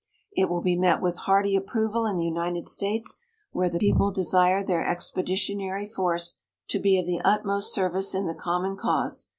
"It will be met with hearty approval in the United States, where the people desire their expeditionary force to be of the utmost service in the common cause.